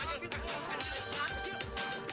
kau yang ngapain